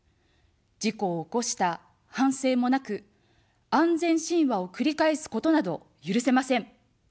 事故を起こした反省もなく、安全神話を繰り返すことなど許せません。